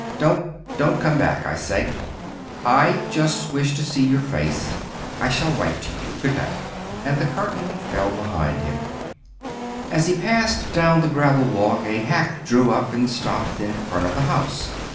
Don't don't come back, I say. I just wished to see your face. I shall write to you. Good night." And the curtain fell behind him. As he passed down the gravel walk, a hack drew up and stopped in front of the house.